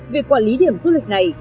việc quản lý điểm du lịch này